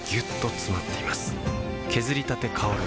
削りたて香る